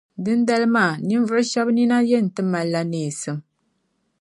Dindali maa, ninvuɣu shɛba nina yɛn ti malila neesim.